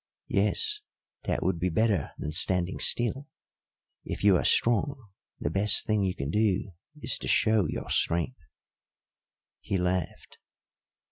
"Yes, that would be better than standing still. If you are strong, the best thing you can do is to show your strength." He laughed.